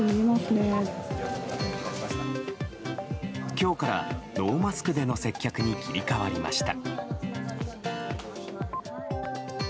今日からノーマスクでの接客に切り替わりました。